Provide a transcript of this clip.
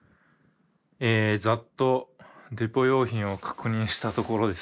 ざっとデポ用品を確認したところですね